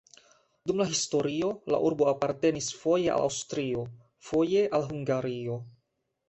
Dum la historio la urbo apartenis foje al Aŭstrio, foje al Hungario.